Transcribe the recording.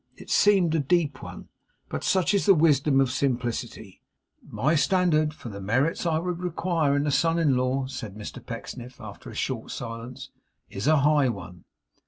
It seemed a deep one, but such is the wisdom of simplicity!' 'My standard for the merits I would require in a son in law,' said Mr Pecksniff, after a short silence, 'is a high one.